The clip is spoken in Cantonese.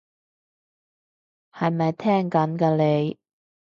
係咪聽緊㗎你？